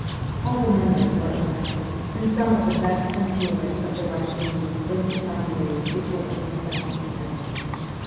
All the members were arrested, and some of the best and purest of the Russian youth went to Siberia before they had done anything.